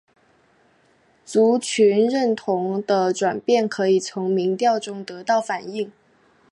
族群认同的转变可以从民调中得到反映。